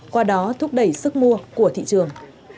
qua đó thúc đẩy sức mua của thị trường